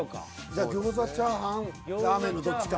じゃ餃子チャーハンラーメンのどっちか。